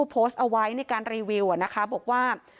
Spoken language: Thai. โพสต์เอาไว้ในการรีวิวนะคะบอกว่า